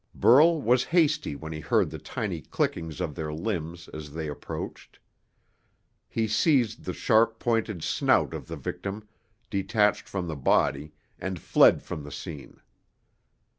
Burl was hasty when he heard the tiny clickings of their limbs as they approached. He seized the sharp pointed snout of the victim, detached from the body, and fled from the scene.